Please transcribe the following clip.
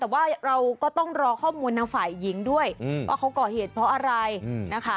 แต่ว่าเราก็ต้องรอข้อมูลทางฝ่ายหญิงด้วยว่าเขาก่อเหตุเพราะอะไรนะคะ